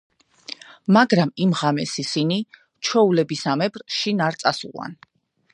მაგრამ, იმ ღამეს ისინი ჩვეულებისამებრ შინ არ წასულან.